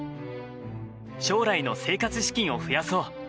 将来の生活資金を増やそう。